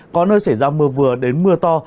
có nơi xảy ra mưa vừa đến mưa to